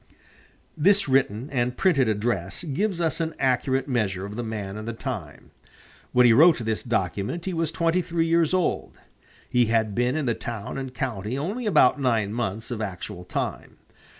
This written and printed address gives us an accurate measure of the man and the time. When he wrote this document he was twenty three years old. He had been in the town and county only about nine months of actual time.